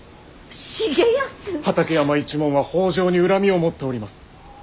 畠山一門は北条に恨みを持っております。